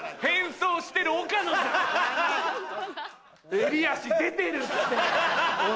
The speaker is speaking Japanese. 襟足出てるって！ハハハ！